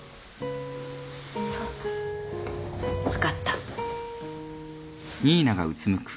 そう分かった